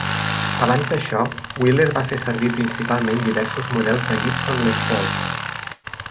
Abans d'això, Wheeler va fer servir principalment diversos models de Gibson Les Paul.